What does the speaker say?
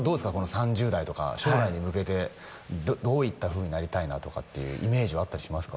３０代とか将来に向けてどういったふうになりたいなとかってイメージはあったりしますか？